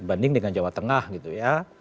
banding dengan jawa tengah gitu ya